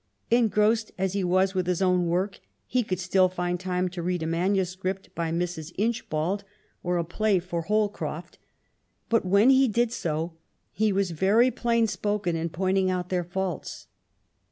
En grossed as he was with his own work, he could still find time to read a manuscript for Mrs. Inchbald, or a play for Holcroft ; but when he did so, he was very plain spoken in pointing out their faults.